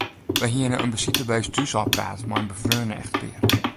Wy hiene in besite by ús thús ôfpraat mei in befreone echtpear.